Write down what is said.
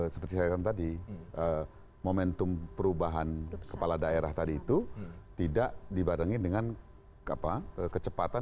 seperti saya katakan tadi momentum perubahan kepala daerah tadi itu tidak dibarengin dengan kecepatan